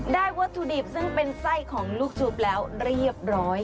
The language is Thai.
วัตถุดิบซึ่งเป็นไส้ของลูกชุบแล้วเรียบร้อย